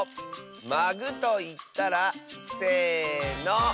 「まぐ」といったら？せの。